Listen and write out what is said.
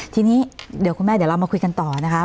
ทีนี้เดี๋ยวคุณแม่เดี๋ยวเรามาคุยกันต่อนะคะ